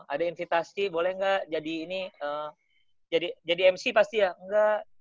ada invitasi boleh nggak jadi ini jadi mc pasti ya enggak